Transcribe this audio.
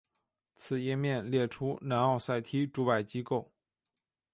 此页面列出南奥塞梯驻外机构。